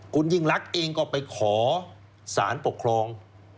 คุณยิ่งรักเองก็ไปขอสารปกครอง